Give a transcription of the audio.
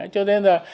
cho nên là